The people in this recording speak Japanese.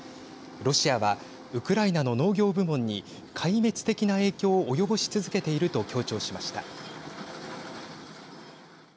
ロシアはウクライナの農業部門に壊滅的な影響を及ぼし続けていると強調しました。